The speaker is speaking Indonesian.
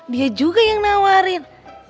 dia juga yang nawarin